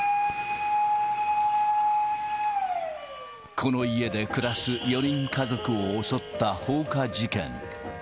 この家で暮らす４人家族を襲った放火事件。